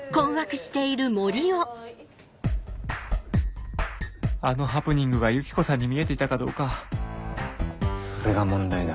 はいあのハプニングがユキコさんに見えていたかどうかそれが問題だ。